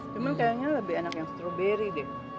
cuman kayaknya lebih enak yang stroberi deh